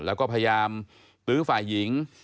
แล้วก็พยายามตื้อฝ่ายหญิง